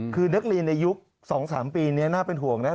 คือนักเรียนในยุค๒๓ปีนี้น่าเป็นห่วงนะ